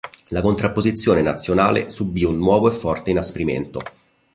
La contrapposizione nazionale subì un nuovo e forte inasprimento.